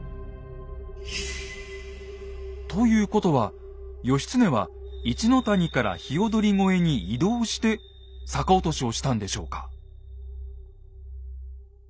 ということは義経は一の谷から鵯越に移動して逆落としをしたんでしょうか。